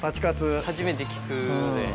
初めて聞くので。